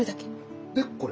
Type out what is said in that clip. でこれ？